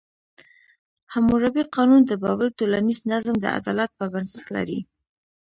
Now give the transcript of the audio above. حموربي قانون د بابل ټولنیز نظم د عدالت په بنسټ لري.